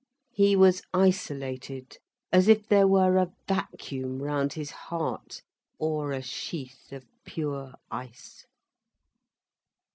He was isolated as if there were a vacuum round his heart, or a sheath of pure ice.